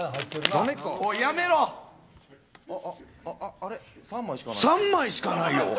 あれ３枚しかないよ。